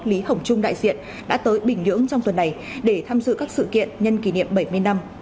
lý hồng trung đại diện đã tới bình nhưỡng trong tuần này để tham dự các sự kiện nhân kỷ niệm bảy mươi năm